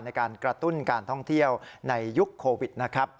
ในการกระตุ้นการท่องเที่ยวในยุคโควิดนะครับ